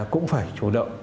cũng phải chủ động